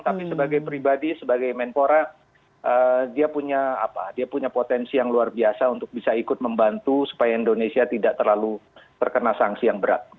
tapi sebagai pribadi sebagai menpora dia punya potensi yang luar biasa untuk bisa ikut membantu supaya indonesia tidak terlalu terkena sanksi yang berat